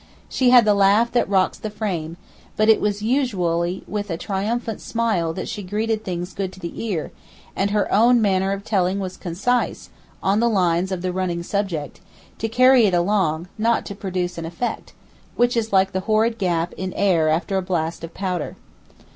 She had the laugh that rocks the frame, but it was usually with a triumphant smile that she greeted things good to the ear; and her own manner of telling was concise, on the lines of the running subject, to carry it along, not to produce an effect—which is like the horrid gap in air after a blast of powder.